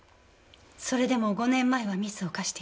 それでも５年前はミスを犯していたわ。